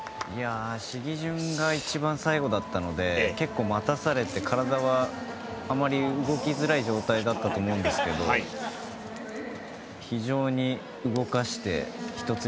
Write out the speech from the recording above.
試技順が一番最後だったので結構待たされて、体はあまり動きづらい状態だったと思うんですが非常に動かして１つ１つ